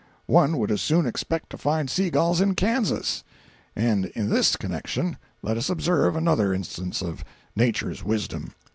One would as soon expect to find sea gulls in Kansas. And in this connection let us observe another instance of Nature's wisdom.